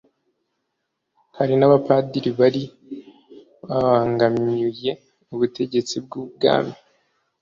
Hari n'Abapadiri bari babangamiye ubutegetsi bw'umwami